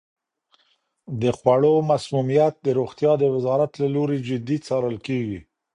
د خوړو مسمومیت د روغتیا د وزارت له لوري جدي څارل کیږي.